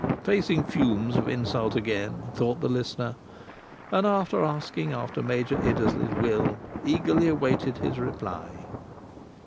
Facing fumes of insult again, thought the listener. And asking after Major Iddesleigh's will, eagerly awaited his reply.